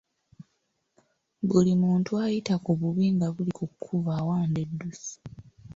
Buli muntu ayita ku bubi nga buli ku kkubo awanda eddusu.